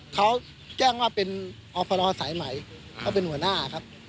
เขาแจ้งว่าเป็นอพรสายใหม่เขาเป็นหัวหน้าครับ